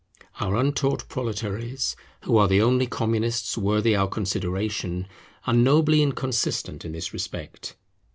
Our untaught proletaries, who are the only Communists worthy our consideration, are nobly inconsistent in this respect.